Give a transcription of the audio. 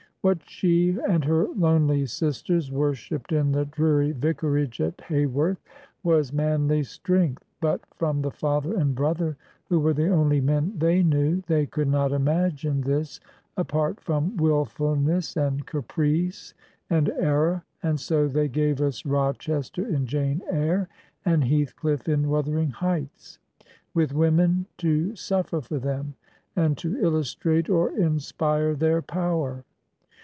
What she and her lonely sisters worshipped in the dreary vicarage at Haworth was manly strength; but from the father and brother, who were the only men they knew, they could not imagine this apart from wilfulness and caprice and error ; and so they gave us Rochester in "Jane Eyre," and Heathchff in " Wuthering Heights," with women to suffer for them, and to illustrate or in spire their power.